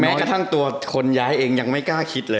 กระทั่งตัวคนย้ายเองยังไม่กล้าคิดเลย